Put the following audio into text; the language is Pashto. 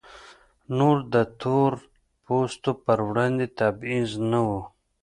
نور د تور پوستو پر وړاندې تبعیض نه و.